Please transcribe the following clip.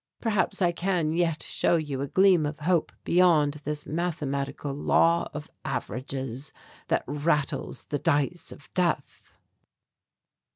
Perhaps I can yet show you a gleam of hope beyond this mathematical law of averages that rattles the dice of death."